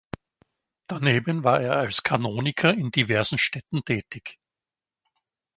Daneben war er als Kanoniker in diversen Städten tätig.